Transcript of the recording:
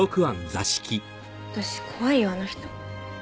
私怖いよあの人。